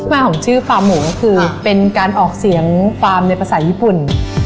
มาของชื่อฟาร์มหมูก็คือเป็นการออกเสียงฟาร์มในภาษาญี่ปุ่น